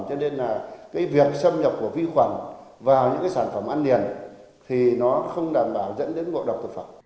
cho nên là cái việc xâm nhập của vi khuẩn vào những cái sản phẩm ăn điền thì nó không đảm bảo dẫn đến ngộ độc thực phẩm